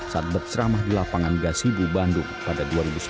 seramah di lapangan gasyibu bandung pada dua ribu sebelas